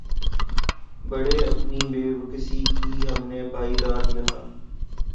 بارے‘ اپنی بیکسی کی ہم نے پائی داد‘ یاں